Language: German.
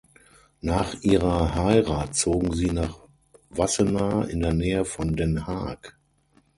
Nach ihrer Heirat zogen sie nach Wassenaar in der Nähe von Den Haag.